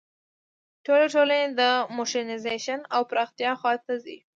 ټولې ټولنې د موډرنیزېشن او پراختیا خوا ته ځي.